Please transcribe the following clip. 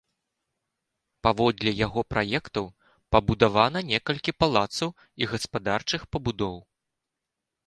Паводле яго праектаў пабудавана некалькі палацаў і гаспадарчых пабудоў.